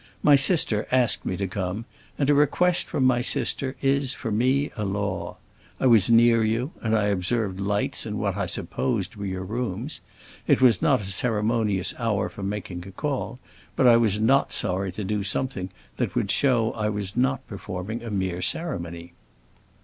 My sister asked me to come, and a request from my sister is, for me, a law. I was near you, and I observed lights in what I supposed were your rooms. It was not a ceremonious hour for making a call, but I was not sorry to do something that would show I was not performing a mere ceremony."